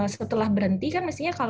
setelah berhenti kan